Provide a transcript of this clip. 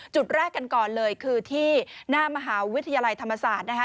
จุดแรกกันก่อนเลยคือที่หน้ามหาวิทยาลัยธรรมศาสตร์นะคะ